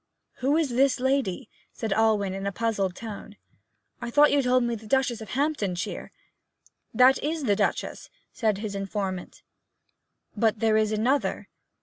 'Who is that lady?' said Alwyn, in a puzzled tone. 'I thought you told me that the Duchess of Hamptonshire ' 'That is the Duchess,' said his informant. 'But there is another?'